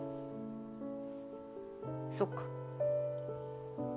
そっか。